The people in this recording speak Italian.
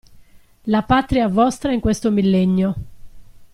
La Patria vostra in questo millennio.